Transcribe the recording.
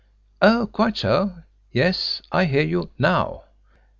. Oh, quite so! Yes, I hear you NOW.